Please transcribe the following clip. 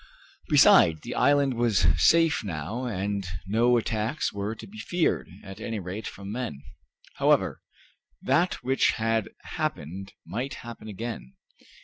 Besides, the island was safe now and no attacks were to be feared, at any rate from men. However, that which had happened might happen again.